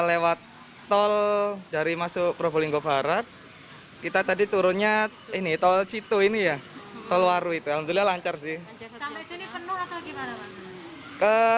lewat tol dari masuk probolinggo barat kita tadi turunnya ini tol situ ini ya tol waru itu alhamdulillah lancar sih